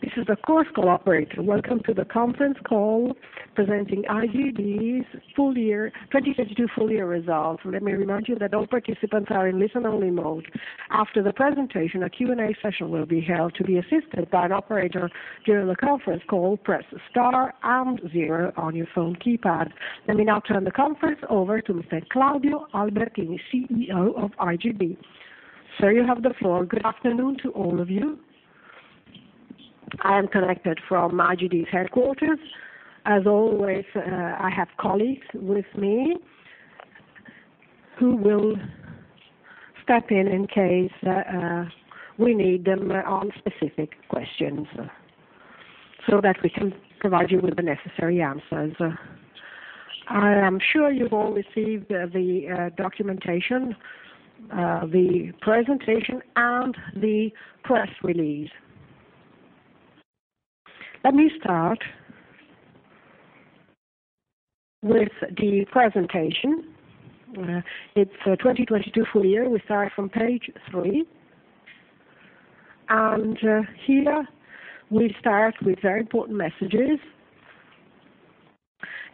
This is, of course, operator. Welcome to the conference call presenting IGD's 2022 full year results. Let me remind you that all participants are in listen-only mode. After the presentation, a Q&A session will be held. To be assisted by an operator during the conference call, press star and zero on your phone keypad. Let me now turn the conference over to Mr. Claudio Albertini, CEO of IGD. Sir, you have the floor. Good afternoon to all of you. I am connected from IGD's headquarters. As always, I have colleagues with me who will step in in case we need them on specific questions so that we can provide you with the necessary answers. I am sure you've all received the documentation, the presentation, and the press release. Let me start with the presentation. It's 2022 full year. We start from page 3. Here, we start with very important messages,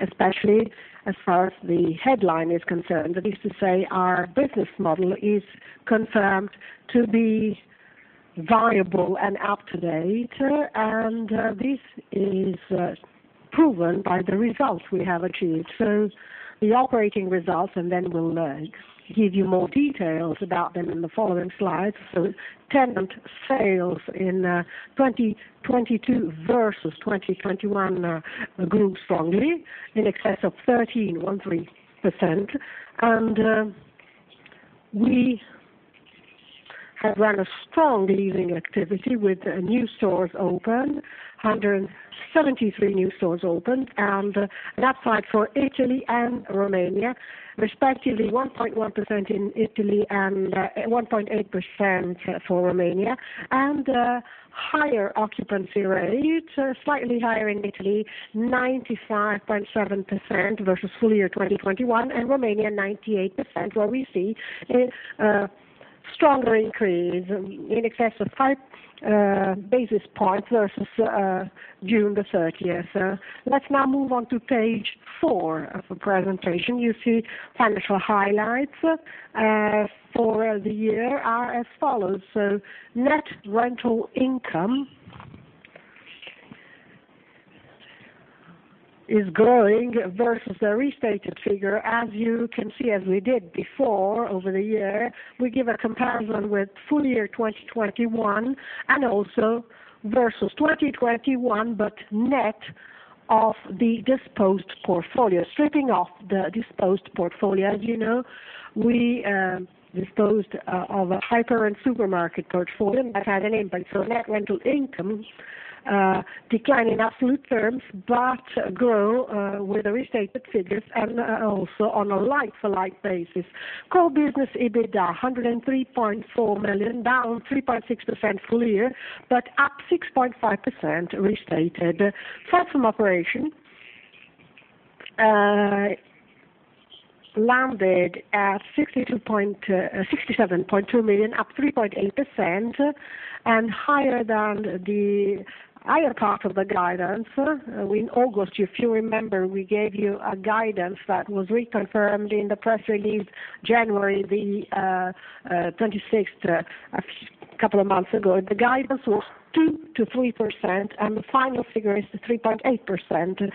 especially as far as the headline is concerned. That is to say our business model is confirmed to be viable and up-to-date, and this is proven by the results we have achieved. The operating results, we'll give you more details about them in the following slides. Tenant sales in 2022 versus 2021 grew strongly in excess of 13.13%. We have run a strong leasing activity with new stores open, 173 new stores opened, and that applied for Italy and Romania, respectively, 1.1% in Italy and 1.8% for Romania. Higher occupancy rates, slightly higher in Italy, 95.7% versus full year 2021, and Romania, 98%, where we see a stronger increase in excess of 5 basis points versus June the third year. Let's now move on to page 4 of the presentation. You see financial highlights for the year are as follows. Net rental income is growing versus the restated figure. As you can see, as we did before over the year, we give a comparison with full year 2021 and also versus 2021, but net of the disposed portfolio, stripping off the disposed portfolio. As you know, we disposed of a hyper and supermarket portfolio that had an impact. Net rental income declined in absolute terms, but grow with the restated figures and also on a like-for-like basis. Core business EBITDA, 103.4 million, down 3.6% full year. Up 6.5% restated. Profit from operation landed at 67.2 million, up 3.8%. Higher than the higher part of the guidance. In August, if you remember, we gave you a guidance that was reconfirmed in the press release January the 26th, a couple of months ago. The guidance was 2%-3%, and the final figure is the 3.8%.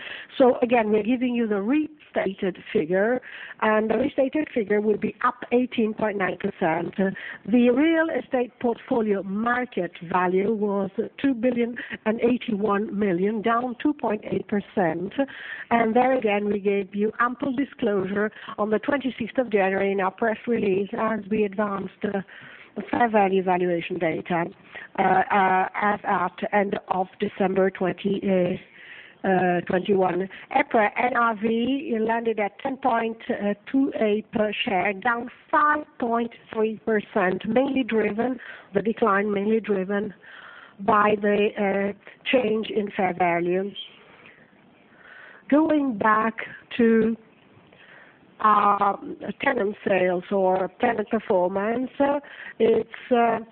Again, we're giving you the restated figure, and the restated figure will be up 18.9%. The real estate portfolio market value was 2.081 billion, down 2.8%. There again, we gave you ample disclosure on the 26th of January in our press release as we advanced the fair value valuation data as at end of December 2021. EPRA NRV landed at 10.28 per share, down 5.3%, the decline mainly driven by the change in fair value. Going back to our tenant sales or tenant performance, it's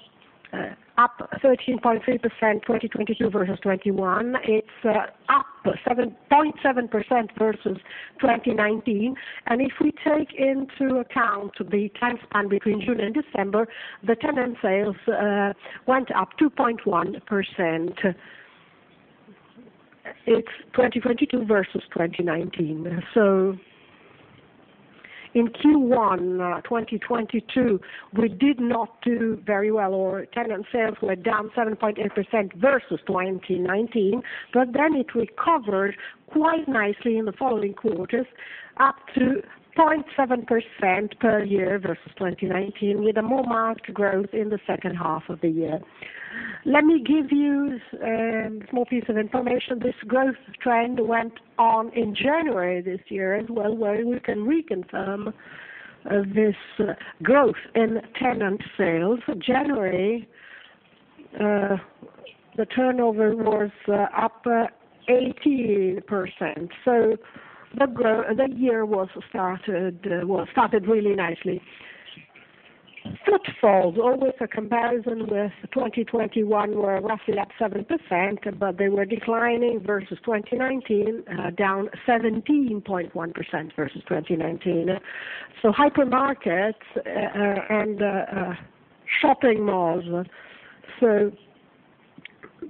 up 13.3%, 2022 versus 2021. It's up 7.7% versus 2019. If we take into account the time span between June and December, the tenant sales went up 2.1%. It's 2022 versus 2019. In Q1 2022, we did not do very well. Our tenant sales were down 7.8% versus 2019. It recovered quite nicely in the following quarters, up to 0.7% per year versus 2019, with a more marked growth in the second half of the year. Let me give you a small piece of information. This growth trend went on in January this year as well, where we can reconfirm this growth in tenant sales. January, the turnover was up 18%. The year was started well, started really nicely. Footfalls, always a comparison with 2021, were roughly at 7%. They were declining versus 2019, down 17.1% versus 2019. Hypermarkets and shopping malls.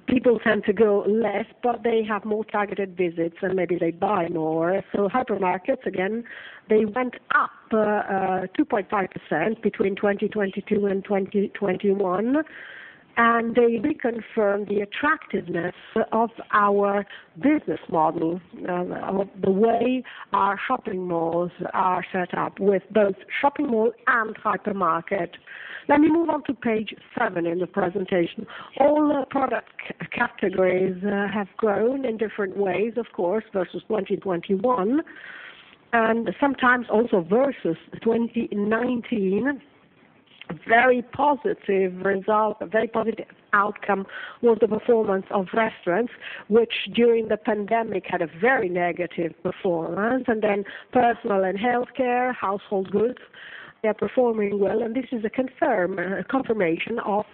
People tend to go less. They have more targeted visits, and maybe they buy more. Hypermarkets, again, they went up 2.5% between 2022 and 2021, and they reconfirmed the attractiveness of our business model, of the way our shopping malls are set up with both shopping mall and hypermarket. Let me move on to page 7 in the presentation. All product categories have grown in different ways, of course, versus 2021, and sometimes also versus 2019. Very positive result, very positive outcome was the performance of restaurants, which during the pandemic had a very negative performance. Personal and healthcare, household goods, they are performing well, and this is a confirmation of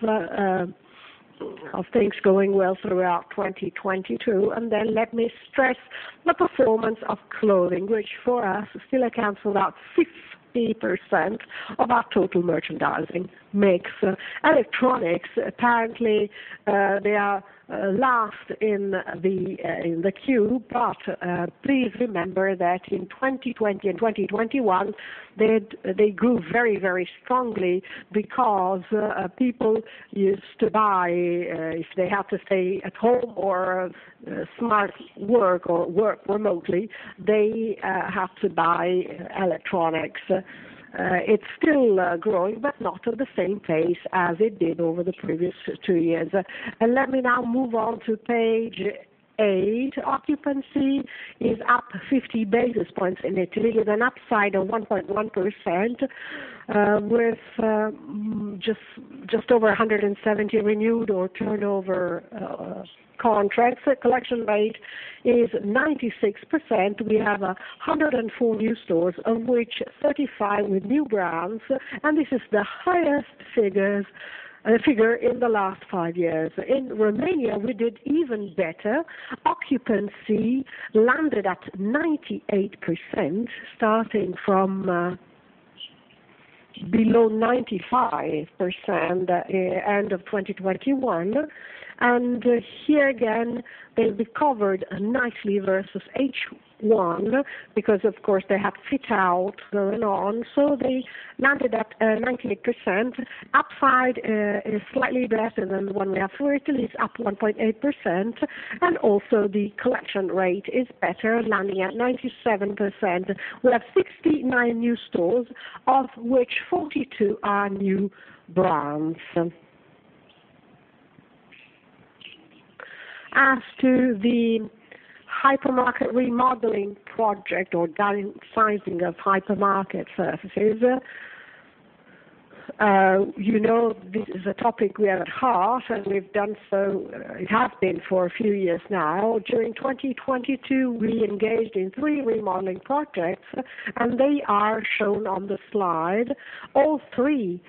things going well throughout 2022. Let me stress the performance of clothing, which for us still accounts for about 50% of our total merchandising mix. Electronics, apparently, they are last in the queue, but please remember that in 2020 and 2021, they grew very, very strongly because people used to buy, if they have to stay at home or smart work or work remotely, they have to buy electronics. It's still growing, but not at the same pace as it did over the previous two years. Let me now move on to page eight. Occupancy is up 50 basis points in Italy with an upside of 1.1%, with just over 170 renewed or turnover contracts. The collection rate is 96%. We have 104 new stores, of which 35 with new brands, and this is the highest figure in the last five years. In Romania, we did even better. Occupancy landed at 98%, starting from below 95% end of 2021. Here again, they recovered nicely versus H1 because of course, they had fit out going on. They landed at 98%. Upside is slightly better than the one we are for Italy, it's up 1.8%, and also the collection rate is better, landing at 97%. We have 69 new stores, of which 42 are new brands. As to the hypermarket remodeling project or downsizing of hypermarket surfaces, you know this is a topic we are at heart, it has been for a few years now. During 2022, we engaged in 3 remodeling projects, and they are shown on the slide. All three,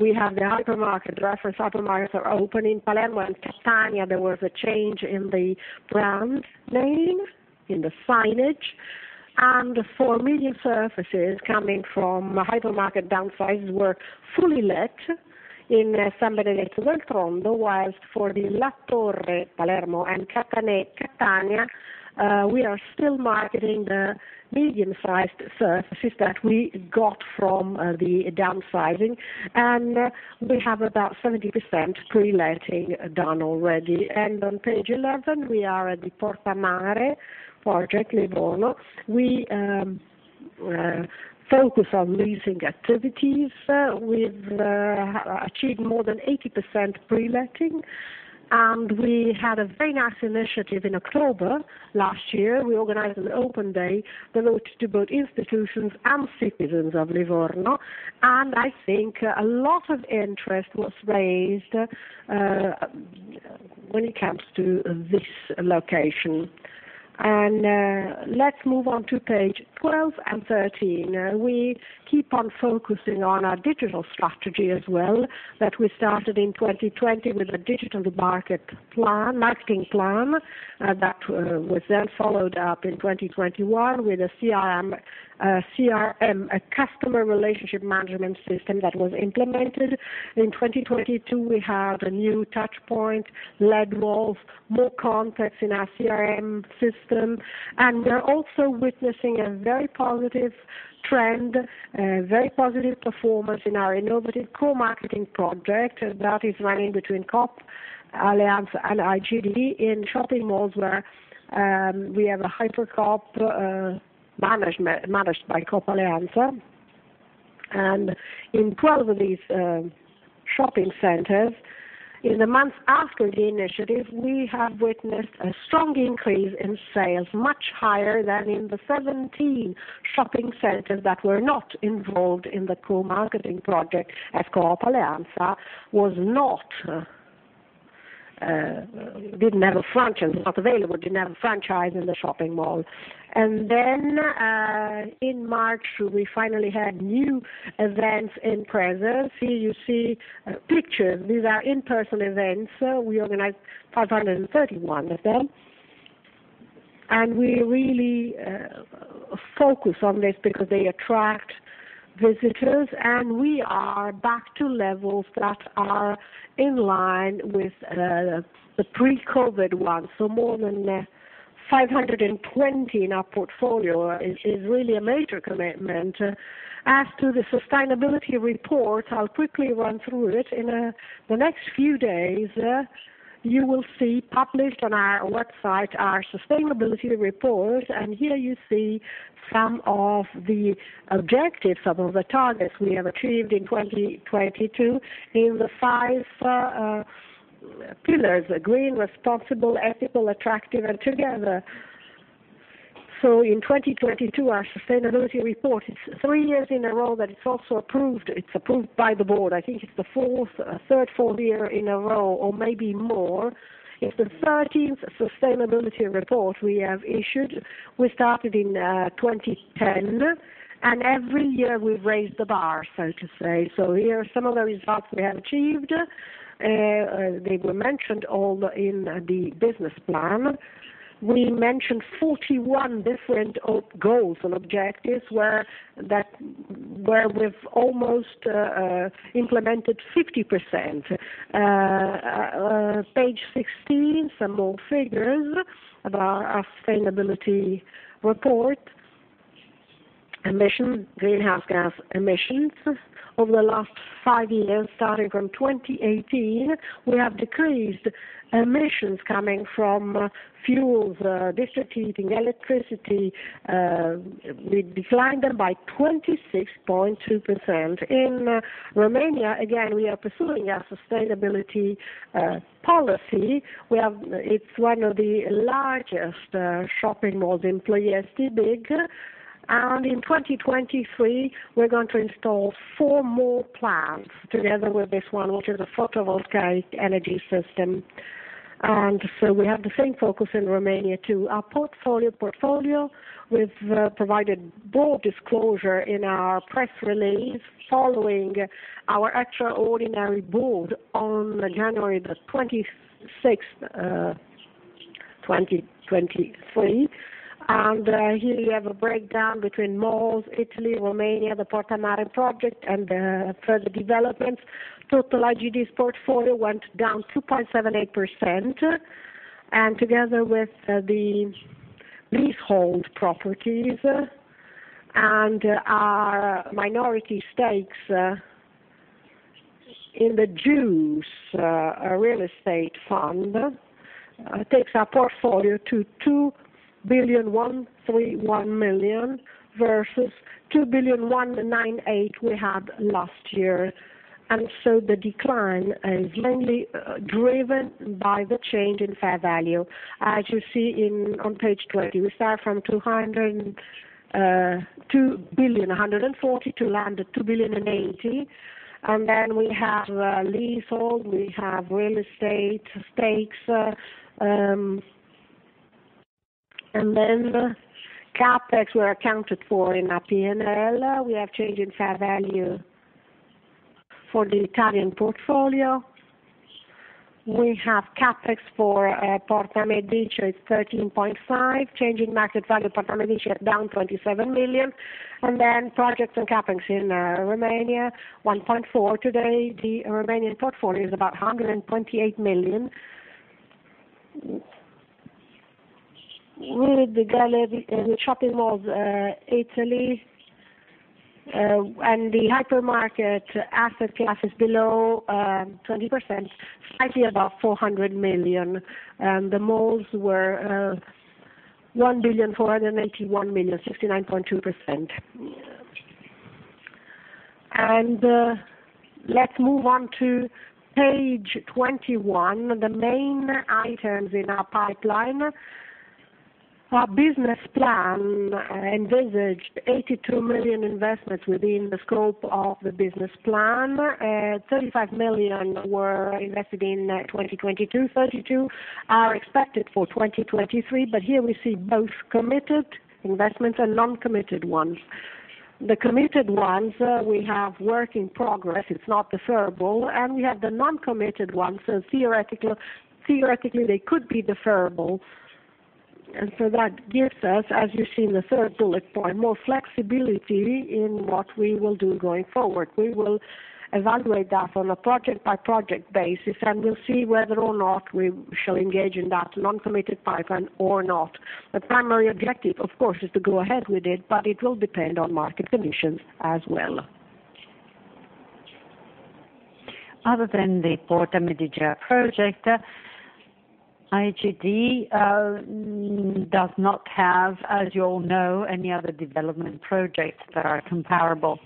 we have the hypermarket, reference hypermarket are open in Palermo and Catania. There was a change in the brand naming, in the signage. For medium surfaces coming from hypermarket downsizes were fully let in San Benedetto del Tronto, whilst for the La Torre Palermo and Katané Catania, we are still marketing the medium-sized surfaces that we got from the downsizing, and we have about 70% pre-letting done already. On page 11, we are at the Porta a Mare project, Livorno. We focus on leasing activities. We've achieved more than 80% pre-letting, and we had a very nice initiative in October last year. We organized an open day devoted to both institutions and citizens of Livorno, and I think a lot of interest was raised when it comes to this location. Let's move on to page 12 and 13. We keep on focusing on our digital strategy as well, that we started in 2020 with a digital market plan, marketing plan, that was then followed up in 2021 with a CRM, a customer relationship management system that was implemented. In 2022, we had a new touch point, AreaPlus, more contacts in our CRM system. We're also witnessing a very positive trend, a very positive performance in our innovative co-marketing project that is running between Coop Alleanza and IGD in shopping malls where we have an Ipercoop managed by Coop Alleanza. In 12 of these shopping centers, in the months after the initiative, we have witnessed a strong increase in sales, much higher than in the 17 shopping centers that were not involved in the co-marketing project as Coop Alleanza was not available, didn't have a franchise in the shopping mall. Then, in March, we finally had new events in presence. Here you see pictures. These are in-person events. We organized 531 of them. We really focus on this because they attract visitors, and we are back to levels that are in line with the pre-COVID ones. More than 520 in our portfolio is really a major commitment. As to the sustainability report, I'll quickly run through it. In the next few days, you will see published on our website our sustainability report. Here you see some of the objectives, some of the targets we have achieved in 2022 in the 5 pillars, green, responsible, ethical, attractive, and together. In 2022, our sustainability report, it's 3 years in a row that it's also approved. It's approved by the board. I think it's the fourth year in a row or maybe more. It's the 13th sustainability report we have issued. We started in 2010, and every year we've raised the bar, so to say. Here are some of the results we have achieved. They were mentioned all in the business plan. We mentioned 41 different of goals and objectives, where we've almost implemented 50%. page 16, some more figures of our sustainability report. Greenhouse gas emissions. Over the last 5 years, starting from 2018, we have decreased emissions coming from fuels, district heating, electricity. We've declined them by 26.2%. In Romania, again, we are pursuing our sustainability policy. It's one of the largest shopping malls in Ploiești, BIG. In 2023, we're going to install 4 more plants together with this one, which is a photovoltaic energy system. We have the same focus in Romania too. Our portfolio, we've provided broad disclosure in our press release following our extraordinary board on January the 26th, 2023. Here we have a breakdown between malls, Italy, Romania, the Porta a Mare project, and further developments. Total IGD's portfolio went down 2.78%, and together with the leasehold properties and our minority stakes in the Giustiniano real estate fund, takes our portfolio to 2.131 billion versus 2.198 billion we had last year. The decline is mainly driven by the change in fair value. As you see on page 20, we start from 2.140 billion to land at 2.080 billion. We have leasehold, we have real estate stakes, and then CapEx were accounted for in our P&L. We have change in fair value for the Italian portfolio. We have CapEx for Porta Medicea is 13.5 million. Change in market value of Porta Medicea, down 27 million. Projects and CapEx in Romania, 1.4. Today, the Romanian portfolio is about 128 million. The shopping malls, Italy, and the hypermarket asset class is below 20%, slightly above 400 million. The malls were 1,481 million, 69.2%. Let's move on to page 21, the main items in our pipeline. Our business plan envisaged 82 million investments within the scope of the business plan. 35 million were invested in 2022, 32 million are expected for 2023, here we see both committed investments and non-committed ones. The committed ones, we have work in progress, it's not deferrable, and we have the non-committed ones, so theoretically, they could be deferrable. That gives us, as you see in the third bullet point, more flexibility in what we will do going forward. We will evaluate that on a project-by-project basis, and we'll see whether or not we shall engage in that non-committed pipeline or not. The primary objective, of course, is to go ahead with it, but it will depend on market conditions as well. Other than the Porta Medicea project, IGD does not have, as you all know, any other development projects that are comparable.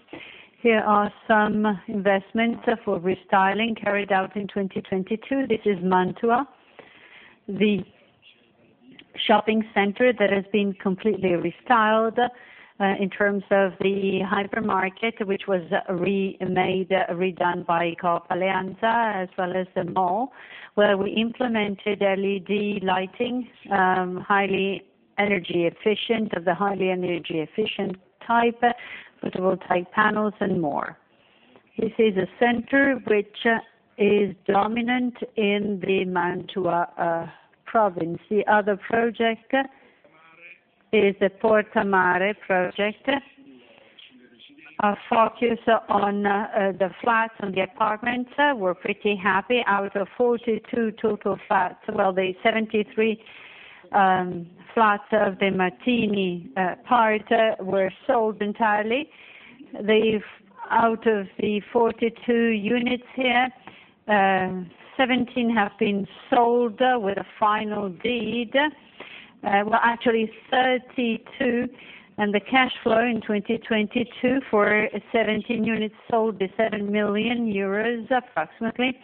Here are some investments for restyling carried out in 2022. This is Mantova. The Shopping center that has been completely restyled, in terms of the hypermarket, which was remade, redone by Coop Alleanza, as well as the mall, where we implemented LED lighting, highly energy efficient, of the highly energy efficient type, photovoltaic panels, and more. This is a center which is dominant in the Mantova province. The other project is the Porta a Mare project. Our focus on the flats and the apartments, we're pretty happy. Out of 42 total flats. Well, the 73 flats of the Martini part were sold entirely. Out of the 42 units here, 17 have been sold with a final deed. Well, actually 32, the cash flow in 2022 for 17 units sold is 7 million euros approximately.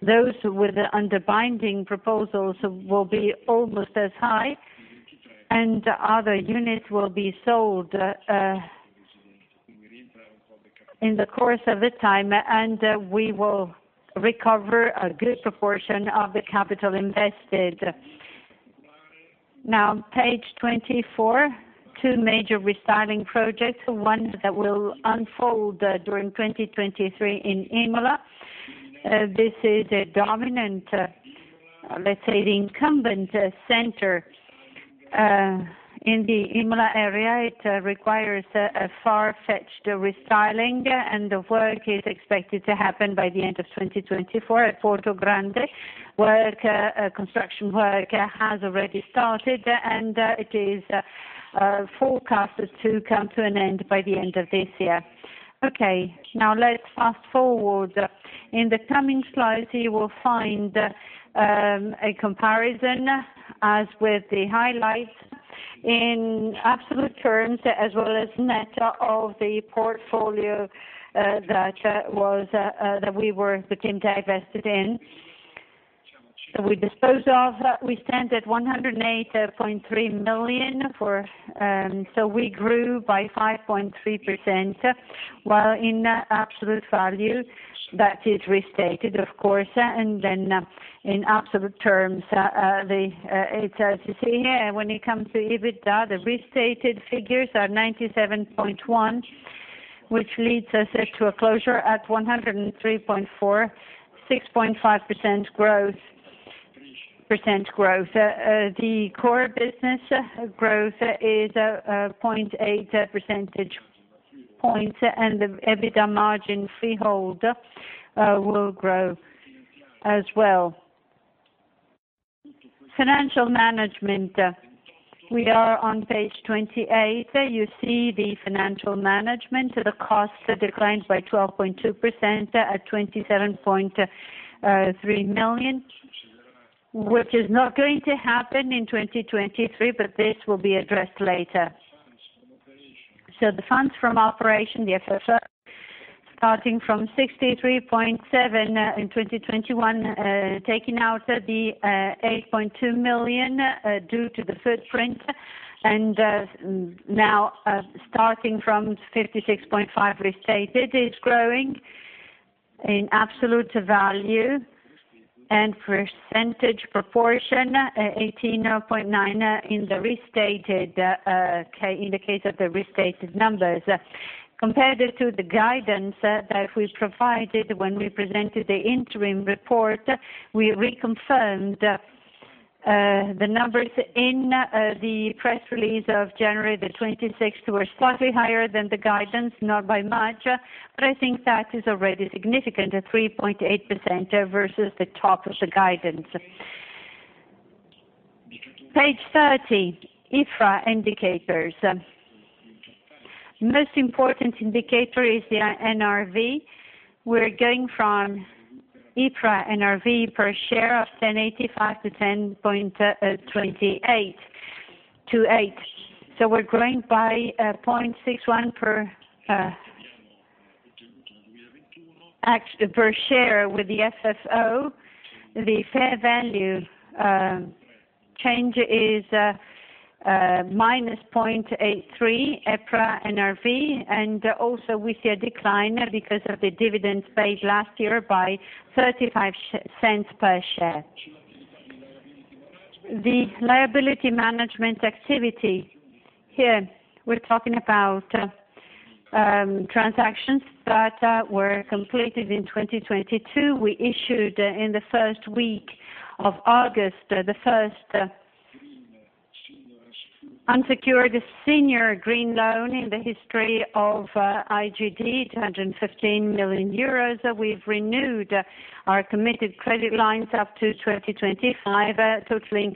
Those with the under binding proposals will be almost as high. Other units will be sold in the course of the time, and we will recover a good proportion of the capital invested. Page 24, two major restyling projects, one that will unfold during 2023 in Imola. This is a dominant, let's say the incumbent center in the Imola area. It requires a far-fetched restyling. The work is expected to happen by the end of 2024 at PortoGrande. Construction work has already started. It is forecasted to come to an end by the end of this year. Let's fast-forward. In the coming slides, you will find a comparison, as with the highlights in absolute terms, as well as net of the portfolio that we became divested in. We stand at 108.3 million for. We grew by 5.3%, while in absolute value, that is restated, of course. In absolute terms, it says here, when it comes to EBITDA, the restated figures are 97.1, which leads us to a closure at 103.4, 6.5% growth. The core business growth is 0.8 percentage points, and the EBITDA margin freehold will grow as well. Financial management, we are on page 28. You see the financial management. The costs declined by 12.2% at 27.3 million, which is not going to happen in 2023, but this will be addressed later. The funds from operation, the FFO, starting from 63.7 in 2021, taking out the 8.2 million due to the footprint, and now starting from 56.5 restated, is growing in absolute value, and percentage proportion, 18.9% in the case of the restated numbers. Compared to the guidance that we provided when we presented the interim report, we reconfirmed the numbers in the press release of January 26th were slightly higher than the guidance, not by much, but I think that is already significant at 3.8% versus the top of the guidance. Page 30, EPRA indicators. Most important indicator is the NRV. We're going from EPRA NRV per share of 10.85 to 10.28 to 8. We're growing by 0.61 per share with the FFO. The fair value change is minus 0.83 EPRA NRV, and also we see a decline because of the dividends paid last year by 0.35 per share. The liability management activity. Here we're talking about transactions that were completed in 2022. We issued in the first week of August the first unsecured senior green loan in the history of IGD, 215 million euros. We've renewed our committed credit lines up to 2025, totaling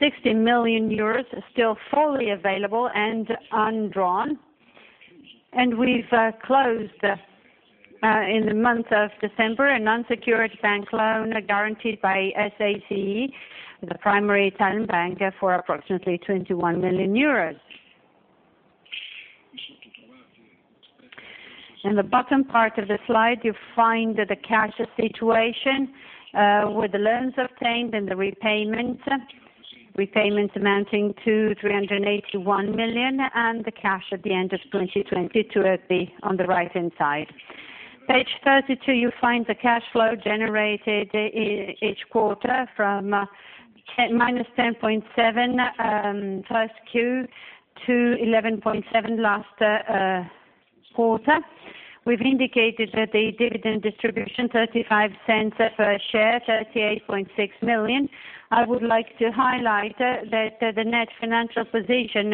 60 million euros, still fully available and undrawn. We've closed in the month of December, an unsecured bank loan guaranteed by SACE, the primary Italian bank, for approximately 21 million euros. In the bottom part of the slide, you find the cash situation with the loans obtained and the repayments amounting to 381 million, and the cash at the end of 2022 on the right-hand side. Page 32, you find the cash flow generated each quarter from minus 10.7, first Q to 11.7 last quarter. We've indicated that the dividend distribution 0.35 per share, 38.6 million. I would like to highlight that the net financial position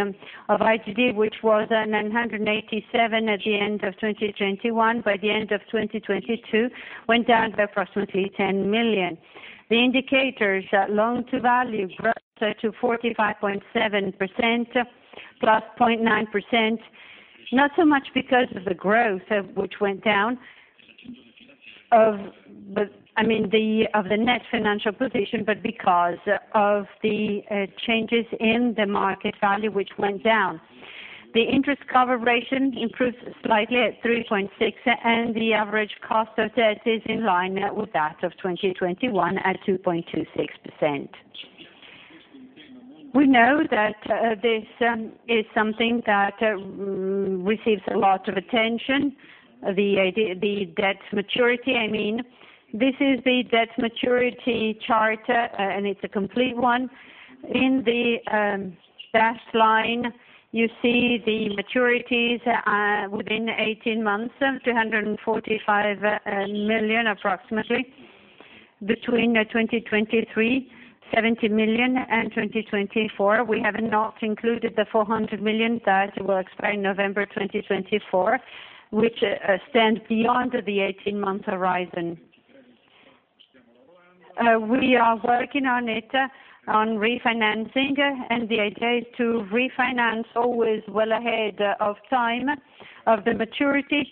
of IGD, which was 987 million at the end of 2021, by the end of 2022, went down to approximately 10 million. The indicators that loan-to-value grew to 45.7%, +0.9%, not so much because of the growth which went down of the net financial position, but because of the changes in the market value, which went down. The interest coverage ratio improved slightly at 3.6, and the average cost of debt is in line with that of 2021 at 2.26%. We know that this is something that receives a lot of attention, the debt maturity, I mean. This is the debt maturity chart, and it's a complete one. In the dashed line, you see the maturities within 18 months, 245 million, approximately. Between 2023, 70 million and 2024, we have not included the 400 million that will expire November 2024, which stands beyond the 18 months horizon. We are working on it, on refinancing, and the idea is to refinance always well ahead of time of the maturity.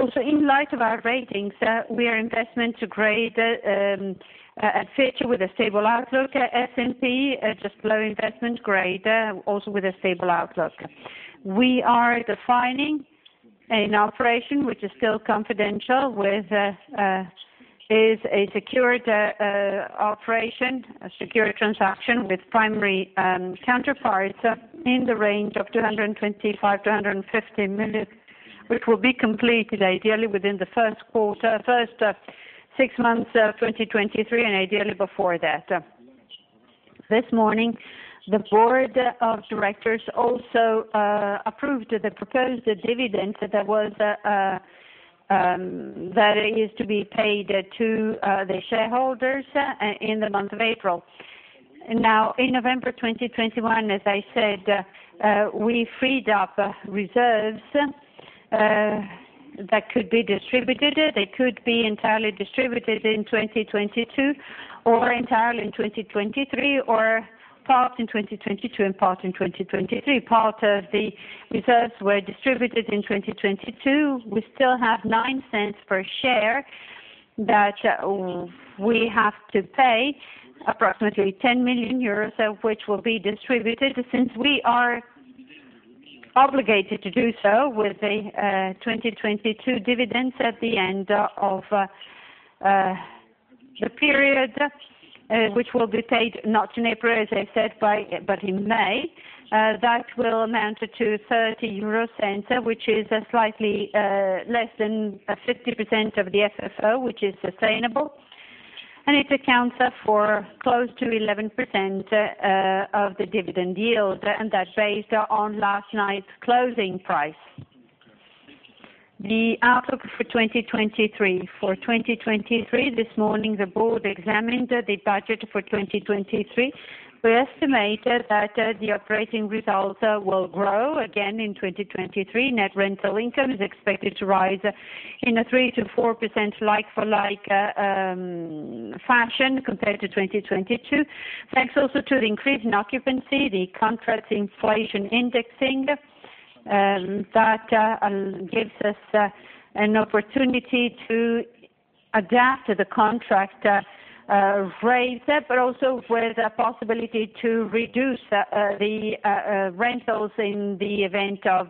Also, in light of our ratings, we are investment grade at Fitch with a stable outlook. At S&P, just below investment grade, also with a stable outlook. We are defining an operation which is still confidential with is a secured operation, a secure transaction with primary counterparties in the range of 225 million-250 million, which will be completed ideally within the 1st quarter, 6 months of 2023, and ideally before that. This morning, the board of directors also approved the proposed dividend that is to be paid to the shareholders in the month of April. In November 2021, as I said, we freed up reserves that could be distributed. They could be entirely distributed in 2022, or entirely in 2023, or part in 2022 and part in 2023. Part of the reserves were distributed in 2022. We still have 0.09 per share that we have to pay, approximately 10 million euros of which will be distributed since we are obligated to do so with the 2022 dividends at the end of the period, which will be paid not in April, as I said, but in May. That will amount to 0.30 euro, which is slightly less than 50% of the FFO, which is sustainable. It accounts for close to 11% of the dividend yield, and that based on last night's closing price. The outlook for 2023. For 2023, this morning, the board examined the budget for 2023. We estimate that the operating results will grow again in 2023. Net rental income is expected to rise in a 3%-4% like-for-like fashion compared to 2022. Thanks also to the increase in occupancy, the contract inflation indexing that gives us an opportunity to adapt the contract rate, but also with a possibility to reduce the rentals in the event of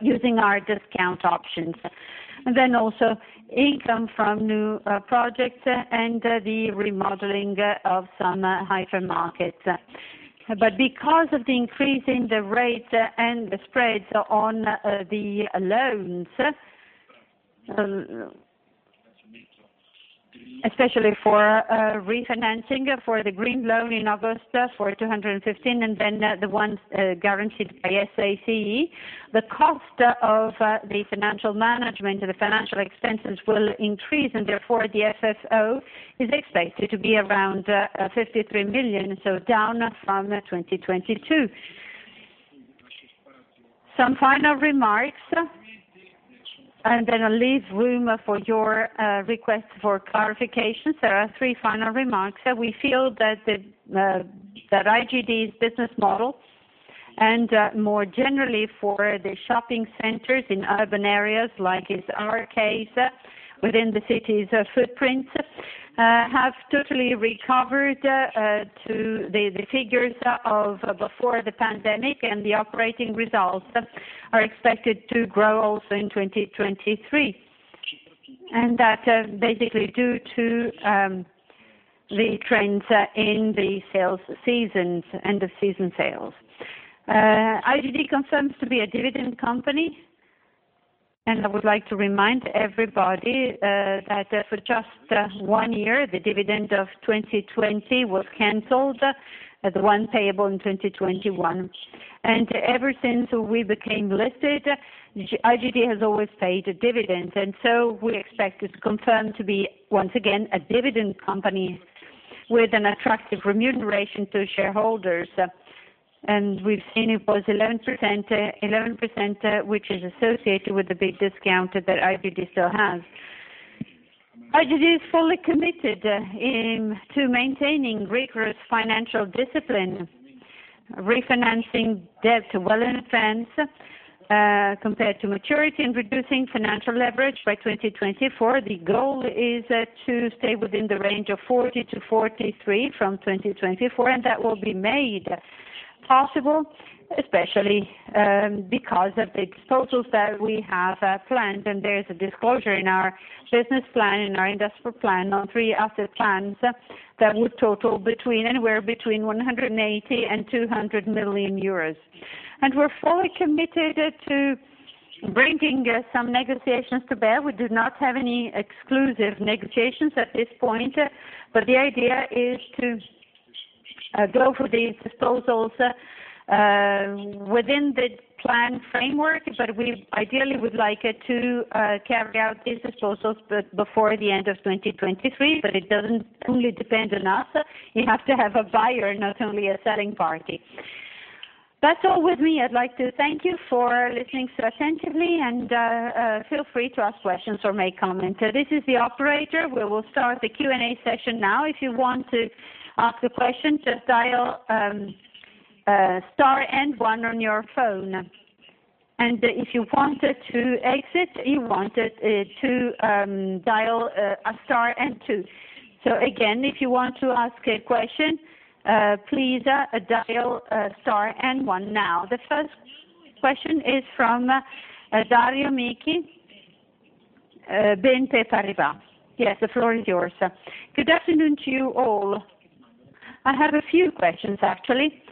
using our discount options. Also income from new projects and the remodeling of some hypermarkets. Because of the increase in the rate and the spreads on the loans, especially for refinancing for the green loan in August for 215, and then the ones guaranteed by SACE, the cost of the financial management, the financial expenses will increase, and therefore the FFO is expected to be around 53 million, so down from 2022. Some final remarks, and then I'll leave room for your requests for clarifications. There are three final remarks. We feel that IGD's business model and more generally for the shopping centers in urban areas, like is our case within the city's footprint, have totally recovered to the figures of before the pandemic, and the operating results are expected to grow also in 2023. That is basically due to the trends in the end of season sales. IGD confirms to be a dividend company, and I would like to remind everybody that for just one year, the dividend of 2020 was canceled, the one payable in 2021. Ever since we became listed, IGD has always paid a dividend. We expect it to confirm to be once again a dividend company with an attractive remuneration to shareholders. We've seen it was 11%, which is associated with the big discount that IGD still has. IGD is fully committed in to maintaining rigorous financial discipline, refinancing debt well in advance, compared to maturity and reducing financial leverage by 2024. The goal is to stay within the range of 40%-43% from 2024, that will be made possible, especially, because of the disposals that we have planned. There is a disclosure in our business plan, in our industrial plan on 3 asset plans that would total between, anywhere between 180 million and 200 million euros. We're fully committed to bringing some negotiations to bear. We do not have any exclusive negotiations at this point, but the idea is to go for these disposals within the plan framework. We ideally would like it to carry out these disposals before the end of 2023, but it doesn't fully depend on us. You have to have a buyer, not only a selling party. That's all with me. I'd like to thank you for listening so attentively, and feel free to ask questions or make comments. This is the operator. We will start the Q&A session now. If you want to ask a question, just dial star and one on your phone. If you want it to exit, you want it to dial star and two. Again, if you want to ask a question, please dial star and one now. The first question is from Dario Michi, BNP Paribas. Yes, the floor is yours. Good afternoon to you all. I have a few questions, actually.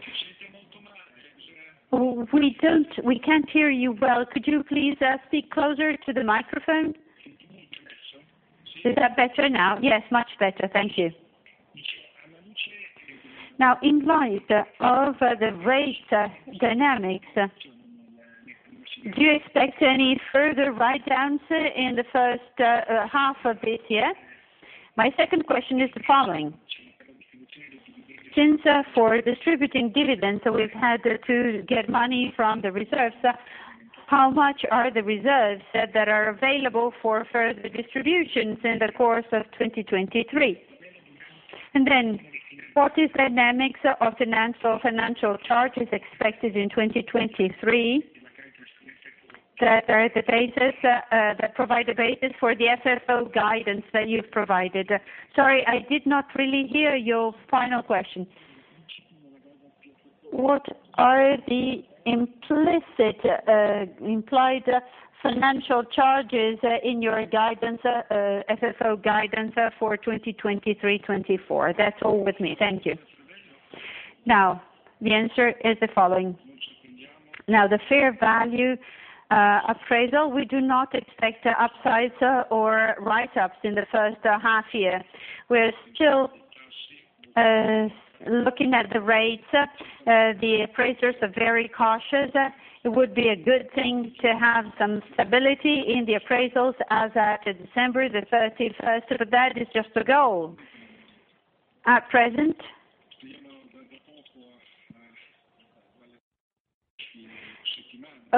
We can't hear you well. Could you please speak closer to the microphone? Is that better now? Yes, much better. Thank you. Now, in light of the rate dynamics, do you expect any further write-downs in the first half of this year? My second question is the following. Since for distributing dividends, we've had to get money from the reserves, how much are the reserves that are available for further distributions in the course of 2023? What is dynamics of financial charges expected in 2023 that are the basis that provide the basis for the FFO guidance that you've provided? Sorry, I did not really hear your final question. What are the implicit implied financial charges in your guidance, FFO guidance for 2023, 2024? That's all with me. Thank you. Now, the answer is the following. The fair value appraisal, we do not expect upsides or write-ups in the first half year. We're still looking at the rates. The appraisers are very cautious. It would be a good thing to have some stability in the appraisals as at December 31st. That is just a goal. At present.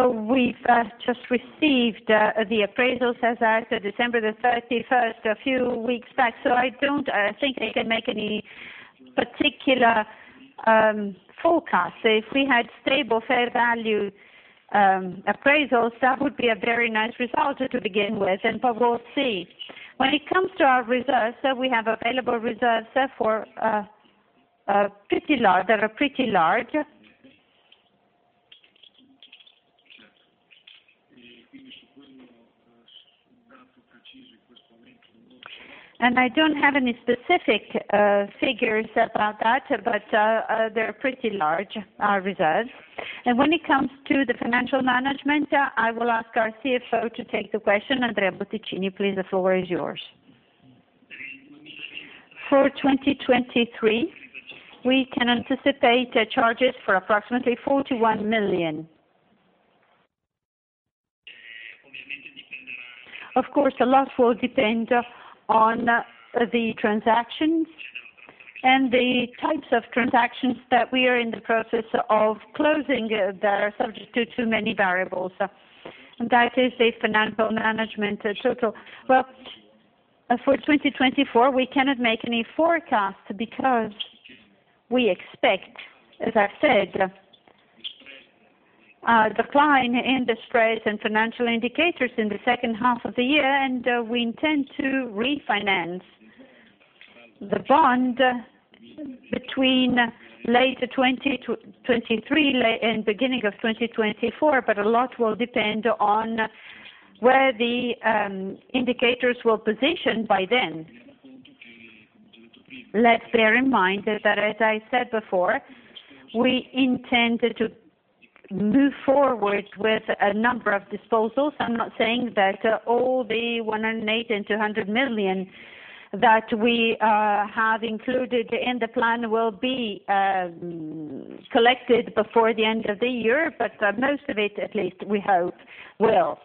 We've just received the appraisals as at December 31st a few weeks back, so I don't think I can make any particular forecast. If we had stable fair value appraisals, that would be a very nice result to begin with, and but we'll see. When it comes to our reserves, we have available reserves that are pretty large. I don't have any specific figures about that, but they're pretty large, our reserves. When it comes to the financial management, I will ask our CFO to take the question. Andrea Bonvicini, please, the floor is yours. For 2023, we can anticipate charges for approximately 41 million. Of course, a lot will depend on the transactions and the types of transactions that we are in the process of closing that are subject to many variables. That is a financial management total. For 2024, we cannot make any forecast because we expect, as I said Decline in the stress and financial indicators in the second half of the year, and we intend to refinance the bond between later 2023 and beginning of 2024, but a lot will depend on where the indicators will position by then. Let's bear in mind that, as I said before, we intended to move forward with a number of disposals. I'm not saying that all the 108 million and 200 million that we have included in the plan will be collected before the end of the year, but most of it, at least, we hope will.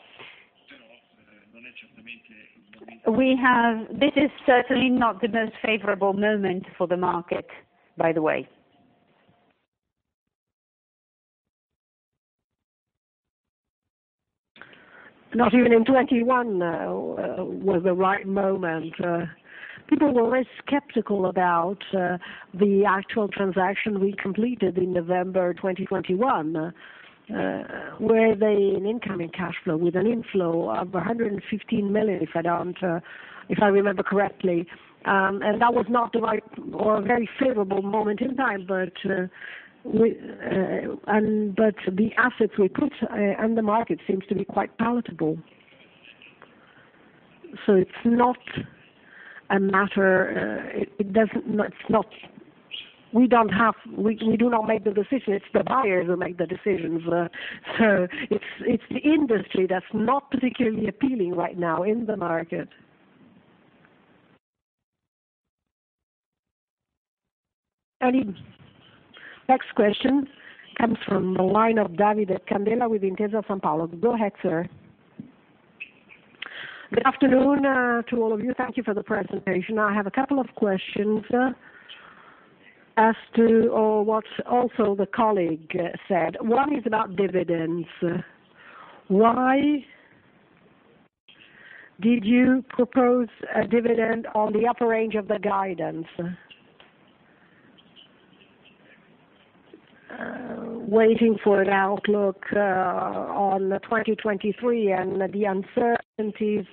This is certainly not the most favorable moment for the market, by the way. Not even in 2021 was the right moment. People were less skeptical about the actual transaction we completed in November 2021. An incoming cash flow with an inflow of 115 million, if I don't, if I remember correctly. That was not the right or a very favorable moment in time. The assets we put on the market seems to be quite palatable. It's not a matter. We do not make the decisions, it's the buyers who make the decisions. It's the industry that's not particularly appealing right now in the market. Any next question comes from the line of Davide Candela with Intesa Sanpaolo. Go ahead, sir. Good afternoon to all of you. Thank you for the presentation. I have a couple of questions as to, or what also the colleague said. One is about dividends. Why did you propose a dividend on the upper range of the guidance? Waiting for an outlook on 2023 and the uncertainties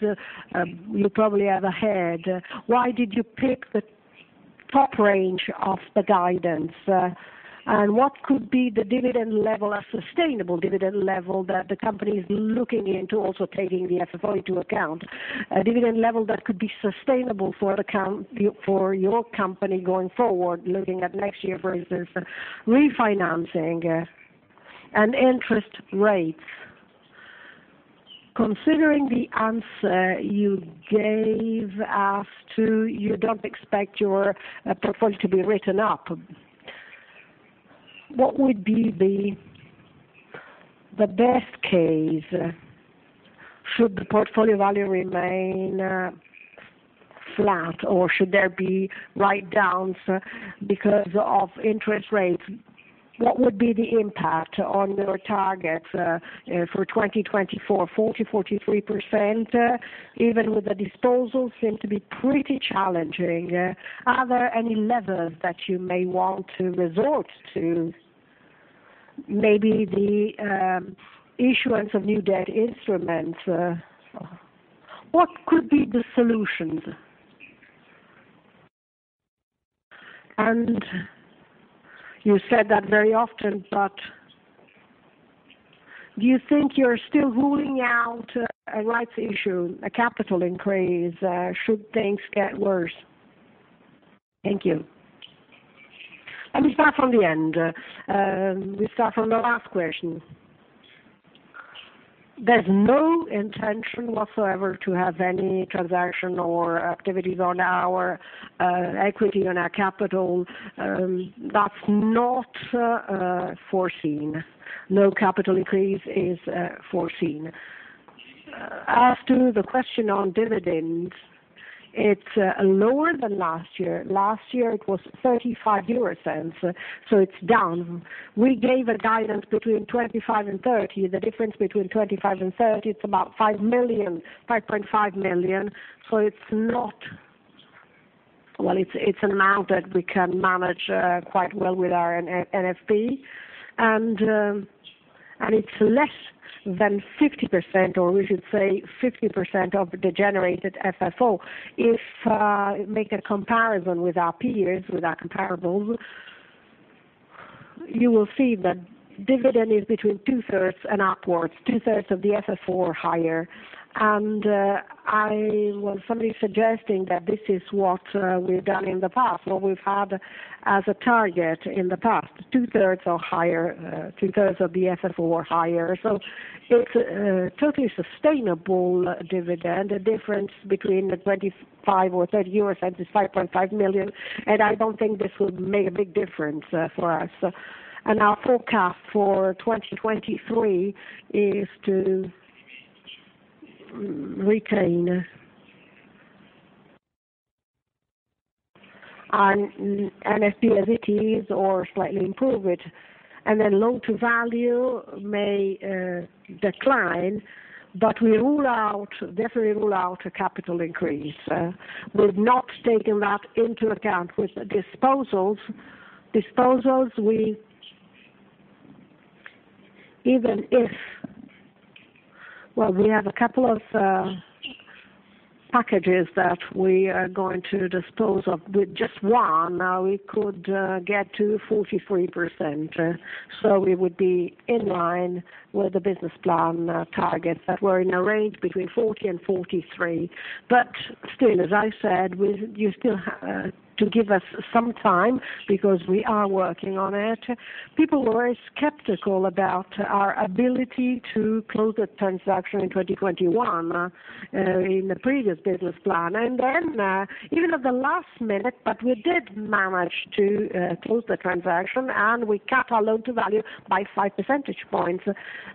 you probably have ahead, why did you pick the top range of the guidance? What could be the dividend level, a sustainable dividend level that the company is looking into also taking the FFO into account, a dividend level that could be sustainable for your company going forward, looking at next year, for instance, refinancing and interest rates. Considering the answer you gave as to you don't expect your portfolio to be written up, what would be the best case? Should the portfolio value remain flat, or should there be write downs because of interest rates? What would be the impact on your targets for 2024, 40%-43%, even with the disposal seem to be pretty challenging. Are there any levers that you may want to resort to? Maybe the issuance of new debt instruments. What could be the solutions? You said that very often, but do you think you're still ruling out a rights issue, a capital increase, should things get worse? Thank you. Let me start from the end. We start from the last question. There's no intention whatsoever to have any transaction or activities on our equity, on our capital. That's not foreseen. No capital increase is foreseen. As to the question on dividends, it's lower than last year. Last year, it was 0.35, so it's down. We gave a guidance between 0.25 and 0.30. The difference between 25 and 30, it's about 5 million, 5.5 million. Well, it's an amount that we can manage quite well with our NFP. It's less than 50%, or we should say 50% of the generated FFO. If make a comparison with our peers, with our comparables, you will see that dividend is between two-thirds and upwards, two-thirds of the FFO or higher. I was only suggesting that this is what we've done in the past, what we've had as a target in the past, two-thirds or higher, two-thirds of the FFO or higher. It's a totally sustainable dividend. The difference between the 0.25 or 0.30 is 5.5 million, and I don't think this would make a big difference for us. Our forecast for 2023 is to retain NFP as it is or slightly improve it. loan-to-value may decline, we rule out, definitely rule out a capital increase. We've not taken that into account with the disposals. Disposals. Even if... Well, we have a couple of packages that we are going to dispose of. With just one, now we could get to 43%, so we would be in line with the business plan targets that were in a range between 40% and 43%. Still, as I said, you still to give us some time because we are working on it. People were skeptical about our ability to close a transaction in 2021 in the previous business plan. Even at the last minute, but we did manage to close the transaction, and we cut our loan-to-value by 5 percentage points.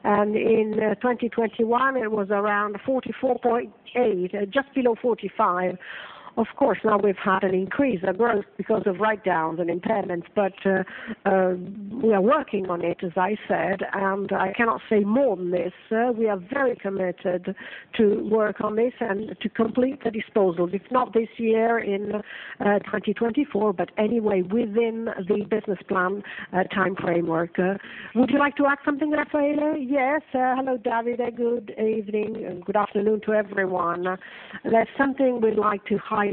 In 2021, it was around 44.8, just below 45. Of course, now we've had an increase, a growth because of write-downs and impairments, but we are working on it, as I said, and I cannot say more than this. We are very committed to work on this and to complete the disposals. If not this year in 2024, but anyway within the business plan time framework. Would you like to add something, Raffaele? Yes. Hello, Davide. Good evening. Good afternoon to everyone. There's something we'd like to highlight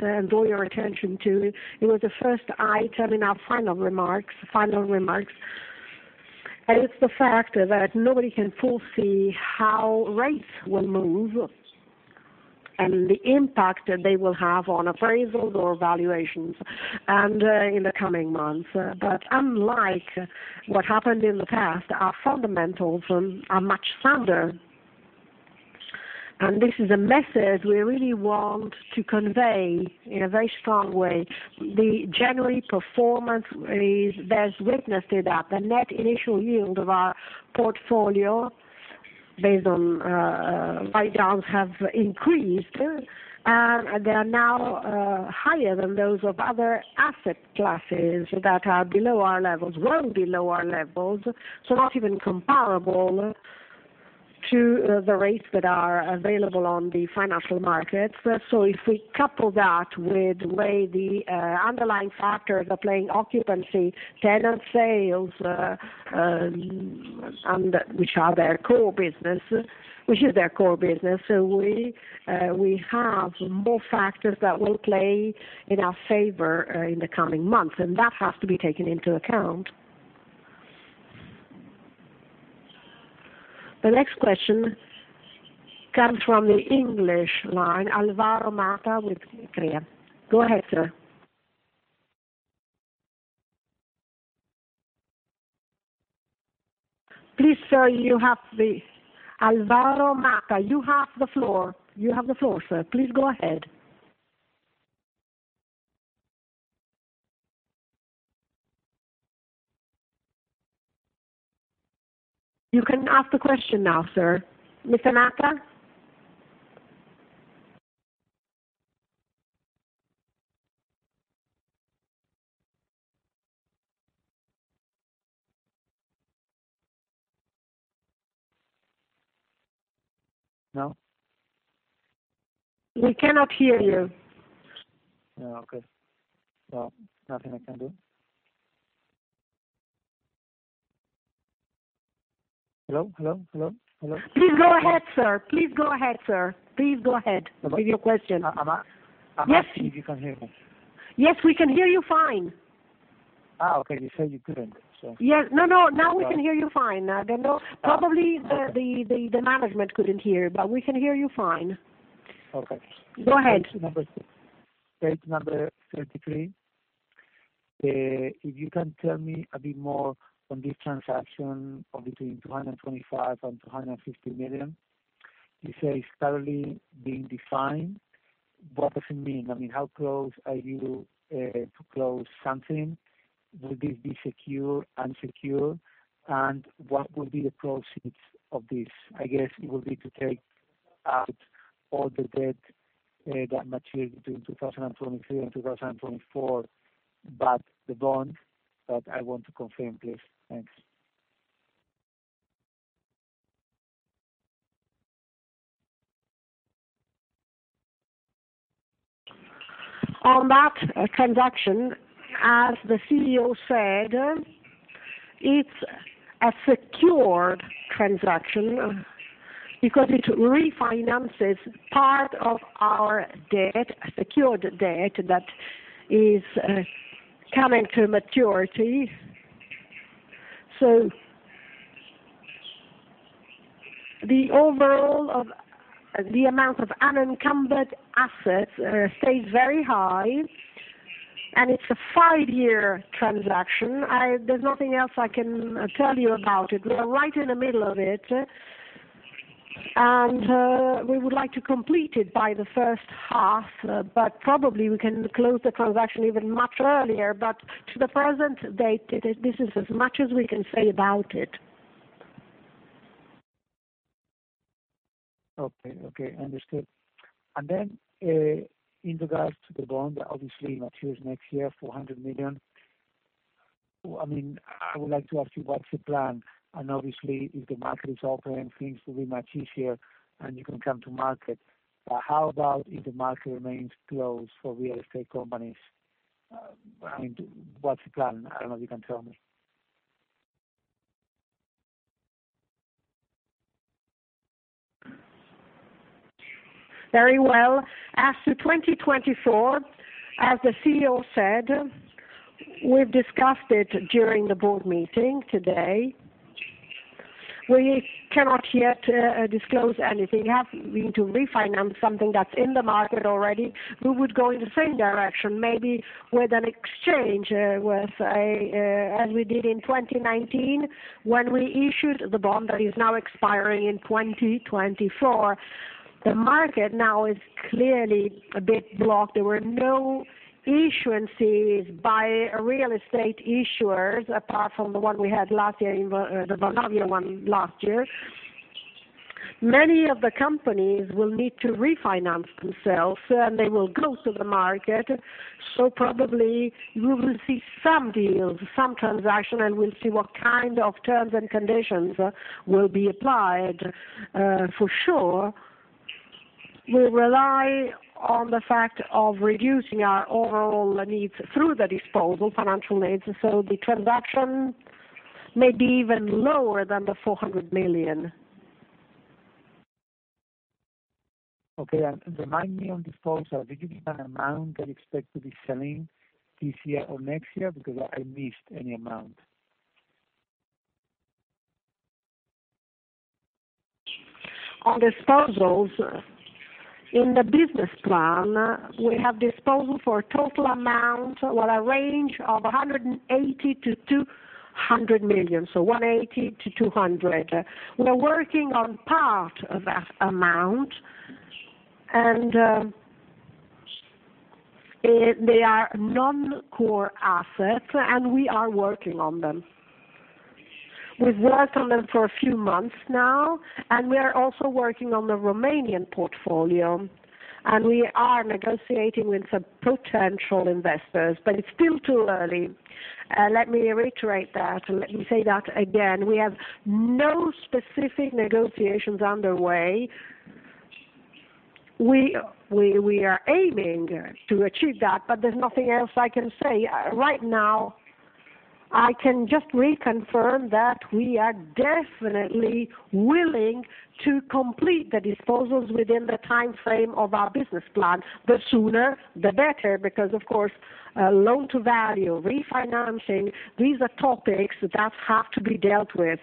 and draw your attention to. It was the first item in our final remarks. It's the fact that nobody can foresee how rates will move and the impact they will have on appraisals or valuations in the coming months. Unlike what happened in the past, our fundamentals are much sounder. This is a message we really want to convey in a very strong way. The January performance is witness to that. The net initial yield of our portfolio based on write-downs have increased, and they are now higher than those of other asset classes that are below our levels, well below our levels, so not even comparable to the rates that are available on the financial markets. If we couple that with the way the underlying factors are playing occupancy, tenant sales, which is their core business, we have more factors that will play in our favor in the coming months. That has to be taken into account. The next question comes from the English line, Alvaro Mata with Alantra. Go ahead, sir. Please, sir, Alvaro Mata, you have the floor. You have the floor, sir. Please go ahead. You can ask the question now, sir. Mr. Mata? We cannot hear you. Yeah, okay. Well, nothing I can do. Hello, hello, hello. Please go ahead, sir. Please go ahead with your question. Am I Yes. I'm asking if you can hear me? Yes, we can hear you fine. Okay. You said you couldn't. Yes. No, no. Now we can hear you fine. Probably the management couldn't hear, but we can hear you fine. Okay. Go ahead. Page number 33, if you can tell me a bit more on this transaction of between 225 million and 250 million. You say it's currently being defined. What does it mean? I mean, how close are you to close something? Will this be secure, unsecure? What will be the proceeds of this? I guess it will be to take out all the debt that matured between 2023 and 2024, the bond that I want to confirm, please. Thanks. On that transaction, as the CEO said, it's a secured transaction because it refinances part of our debt, secured debt, that is coming to maturity. The overall of the amount of unencumbered assets stays very high, and it's a 5-year transaction. There's nothing else I can tell you about it. We are right in the middle of it, and we would like to complete it by the first half, but probably we can close the transaction even much earlier. To the present date, this is as much as we can say about it. Okay. Okay. Understood. In regards to the bond, obviously matures next year, 400 million. I mean, I would like to ask you, what's your plan? Obviously, if the market is open, things will be much easier, and you can come to market. How about if the market remains closed for real estate companies? I mean, what's the plan? I don't know if you can tell me. Very well. As to 2024, as the CEO said, we've discussed it during the board meeting today. We cannot yet disclose anything. Having to refinance something that's in the market already, we would go in the same direction, maybe with an exchange, with a, as we did in 2019 when we issued the bond that is now expiring in 2024. The market now is clearly a bit blocked. There were no issuances by real estate issuers, apart from the one we had last year, the Vonovia one last year. Probably you will see some deals, some transaction, and we'll see what kind of terms and conditions will be applied. For sure, we rely on the fact of reducing our overall needs through the disposal, financial needs, the transaction may be even lower than the 400 million. Okay. Remind me on disposals, did you give an amount that you expect to be selling this year or next year? I missed any amount. On disposals, in the business plan, we have disposal for a total amount or a range of 180 million-200 million, so 180-200. We're working on part of that amount. They are non-core assets, and we are working on them. We've worked on them for a few months now. We are also working on the Romanian portfolio, and we are negotiating with some potential investors, but it's still too early. Let me reiterate that. Let me say that again. We have no specific negotiations underway. We are aiming to achieve that, but there's nothing else I can say. Right now, I can just reconfirm that we are definitely willing to complete the disposals within the timeframe of our business plan. The sooner, the better because, of course, loan-to-value, refinancing, these are topics that have to be dealt with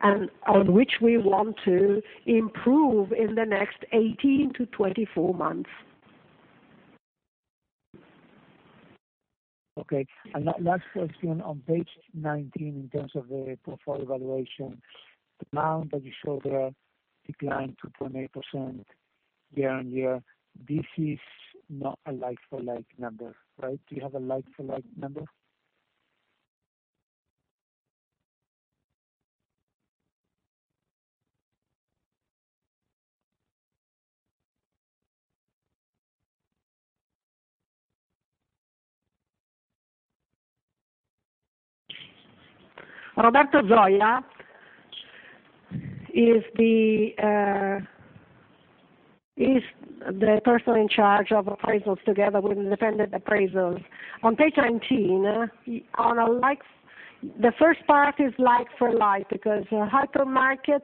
and on which we want to improve in the next 18-24 months. Okay. Last question on page 19 in terms of the portfolio valuation. The amount that you show there declined 2.8% year-on-year. This is not a like-for-like number, right? Do you have a like-for-like number? Roberto Zoia is the person in charge of appraisals together with independent appraisals. On page 19, the first part is like-for-like, because hypermarkets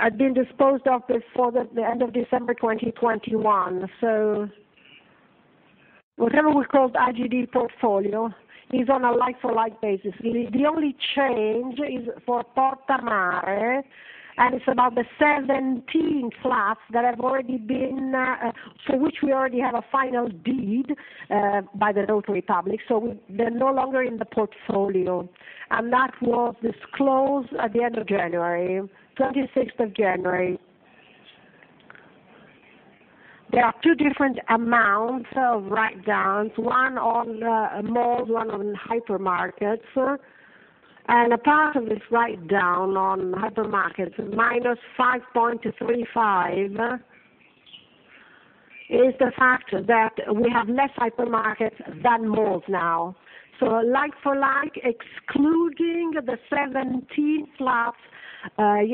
had been disposed of before the end of December 2021. Whatever we call IGD portfolio is on a like-for-like basis. The only change is for Porta a Mare, it's about the 17 flats that have already been, for which we already have a final deed by the notary public. They're no longer in the portfolio, that was disclosed at the end of January, 26th of January. There are two different amounts of write-downs, one on the malls, one on hypermarkets. A part of this write-down on hypermarkets, EUR -5.35, is the fact that we have less hypermarkets than malls now, like-for-like, excluding the 17 flats,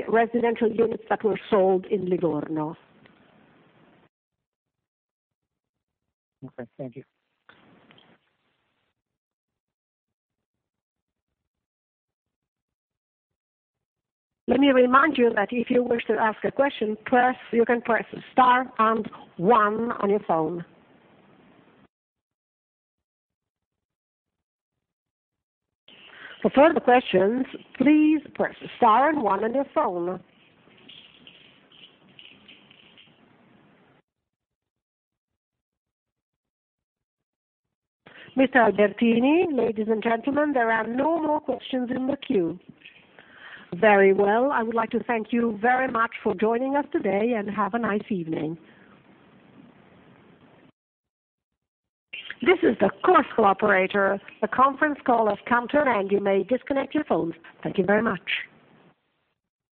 residential units that were sold in Livorno. Okay, thank you. Let me remind you that if you wish to ask a question, you can press star and one on your phone. For further questions, please press star and one on your phone. Mr. Albertini, ladies and gentlemen, there are no more questions in the queue. Very well. I would like to thank you very much for joining us today, and have a nice evening. This is the course operator. The conference call has come to an end. You may disconnect your phones. Thank you very much.